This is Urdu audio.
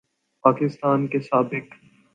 پاکستان کے سابق